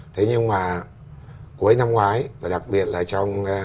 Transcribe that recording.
thế nhưng mà cuối năm ngoái và đặc biệt là trong